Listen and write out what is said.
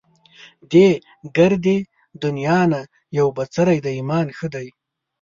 دې ګردې دنيا نه يو بڅری د ايمان ښه دی